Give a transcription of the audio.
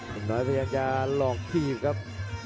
คุณน้อยพยายามจะหลอกทีบครับ